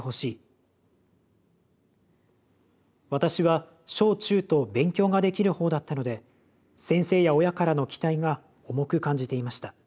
私は小中と勉強ができるほうだったので先生や親からの期待が重く感じていました。